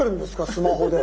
スマホで。